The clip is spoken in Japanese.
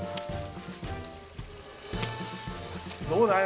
どうだい？